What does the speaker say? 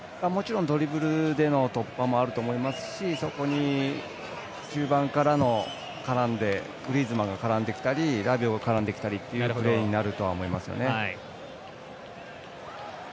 ドリブルの突破もあると思いますしそこに中盤からのグリーズマンが絡んできたりラビオが絡んできたりというプレーになると思います。